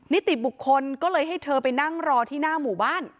นิติบุคคลก็เลยให้เธอไปนั่งรอที่หน้าหมู่บ้าน